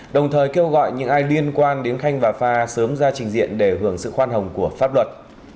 đồng thời kêu gọi những ai liên quan đến khanh và pha sớm ra trình diện để hưởng sự khoan hồng của pháp luật